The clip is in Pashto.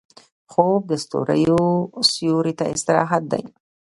خوب د ستوريو سیوري ته استراحت دی